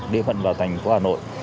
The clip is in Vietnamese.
địa phận vào thành phố hà nội